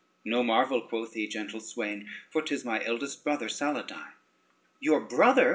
"No marvel," quoth he, "gentle swain, for 'tis my eldest brother Saladyne." "Your brother?"